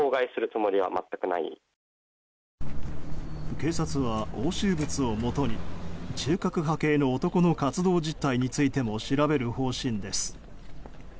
警察は押収物をもとに中核派系の男の活動実態についても調べる方針です。